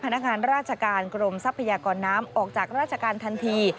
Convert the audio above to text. พนักงานราชการกรมทรัพยากรน้ำออกจากราชการทันที